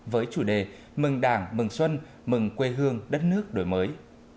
với chủ đề mừng đảng mừng xuân mừng quê hương đất nước đổi mới